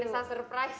tidak ada seperti apa